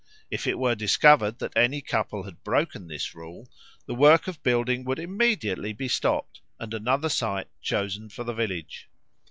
If it were discovered that any couple had broken this rule, the work of building would immediately be stopped, and another site chosen for the village.